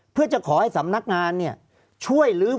ภารกิจสรรค์ภารกิจสรรค์